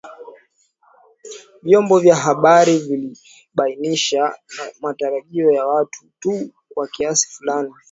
Vyombo vya habari vilijibainisha na matarajio ya watu tu kwa kiasi fulani